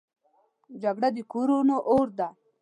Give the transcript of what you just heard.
جګړه د کورونو اور دی